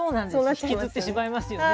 引きずってしまいますよね。